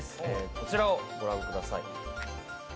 こちらをご覧ください。